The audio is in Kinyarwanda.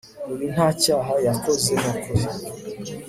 uyu ntacyaha yakoze nukuri